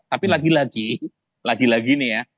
tapi lagi lagi lagi lagi nih ya